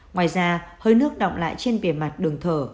ngoài ra hơi nước động lại trên bề mặt đường thở